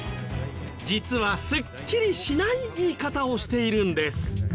実はすっきりしない言い方をしているんです。